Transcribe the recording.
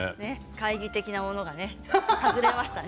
懐疑的なものが晴れましたね。